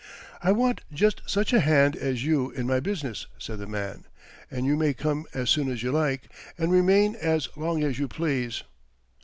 "I want just such a hand as you in my business," said the man; "and you may come as soon as you like, and remain as long as you please."